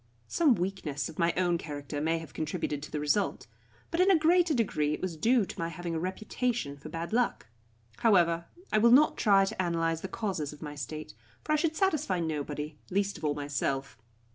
Some weakness of my own character may have contributed to the result, but in a greater degree it was due to my having a reputation for bad luck. However, I will not try to analyse the causes of my state, for I should satisfy nobody, least of all myself.